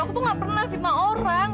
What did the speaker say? aku tuh gak pernah fitnah orang